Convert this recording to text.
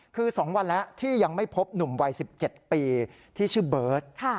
คือ๒วันแล้วที่ยังไม่พบหนุ่มวัย๑๗ปีที่ชื่อเบิร์ต